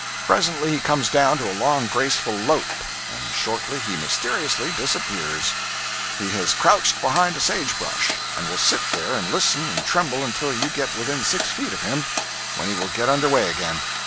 Presently he comes down to a long, graceful "lope," and shortly he mysteriously disappears. He has crouched behind a sage bush, and will sit there and listen and tremble until you get within six feet of him, when he will get under way again.